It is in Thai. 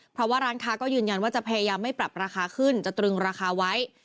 เพราะว่าร้านค้าก็ยืนยันว่าจะพยายามไม่ปรับราคาขึ้นจะตรึงราคาไว้